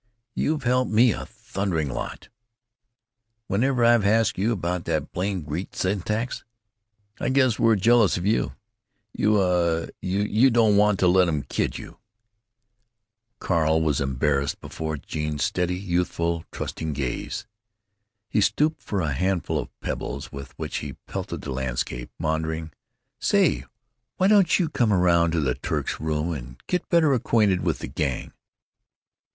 "You've helped me a thundering lot whenever I've asked you about that blame Greek syntax. I guess we're jealous of you. You—uh—you don't want to let 'em kid you——" Carl was embarrassed before Genie's steady, youthful, trusting gaze. He stooped for a handful of pebbles, with which he pelted the landscape, maundering, "Say, why don't you come around to the Turk's room and get better acquainted with the Gang?"